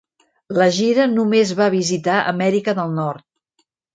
La gira només va visitar Amèrica del Nord.